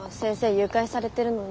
誘拐されてるのに。